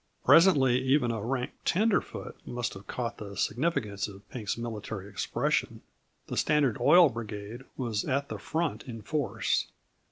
Presently, even a rank tenderfoot must have caught the significance of Pink's military expression. The Standard Oil Brigade was at the front in force.